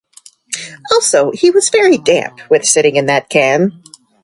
Also he was very damp with sitting in that can.